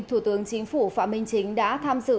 thủ tướng chính phủ phạm minh chính đã tham dự